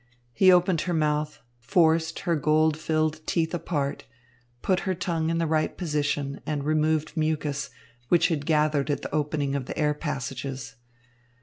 He opened her mouth, forced her gold filled teeth apart, put her tongue in the right position, and removed mucus, which had gathered at the opening of the air passages.